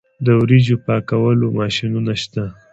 د وریجو پاکولو ماشینونه شته